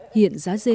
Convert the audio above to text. hiện giá dê hơi